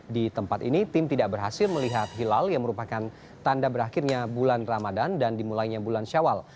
di tempat ini tim tidak berhasil melihat hilal yang merupakan tanda berakhirnya bulan ramadan dan dimulainya bulan syawal